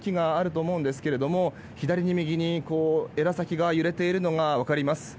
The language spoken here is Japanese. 奥に背の高い木があると思うんですが左に右に枝先が揺れているのが分かります。